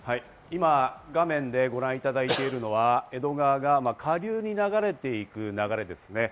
今、画面でご覧いただいているのは江戸川が下流に流れていく流れですね。